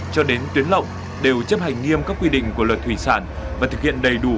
cho đến tuyến lộng đều chấp hành nghiêm các quy định của luật thủy sản và thực hiện đầy đủ